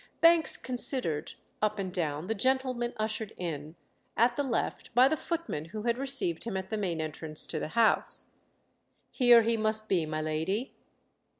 Banks considered, up and down, the gentleman ushered in, at the left, by the footman who had received him at the main entrance to the house. "Here he must be, my lady."